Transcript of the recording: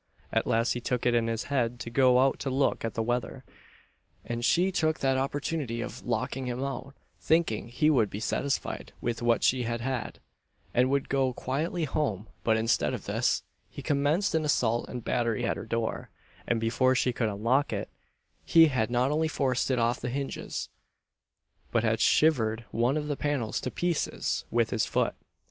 At last he took it in his head to go out to look at the weather, and she took that opportunity of locking him out; thinking he would be satisfied with what he had had, and would go quietly home; but instead of this, he commenced an assault and battery on her door, and before she could unlock it, he had not only forced it off the hinges, but had shivered one of the panels to pieces with his foot.